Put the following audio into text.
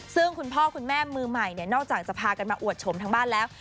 ซึ่งคุณพ่อคุณแม่มือใหม่เนี่ยนอกจากจะพากันมาอวดชมทั้งบ้านแล้ว